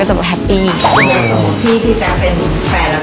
พี่แจกเป็นแฟนแล้วพี่แจกอ้อนกูอยากเห็น